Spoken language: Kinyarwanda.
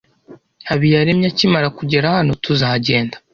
Habiyaremye akimara kugera hano, tuzagenda.